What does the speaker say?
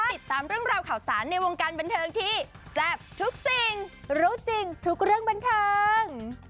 ติดตามเรื่องราวข่าวสารในวงการบันเทิงที่แซ่บทุกสิ่งรู้จริงทุกเรื่องบันเทิง